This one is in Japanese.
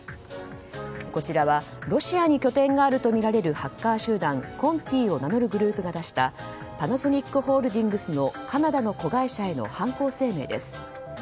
こちらはロシアに拠点があるとみられるハッカー集団Ｃｏｎｔｉを名乗るグループが出したパナソニックホールディングスのカナダの子会社への犯行声明です。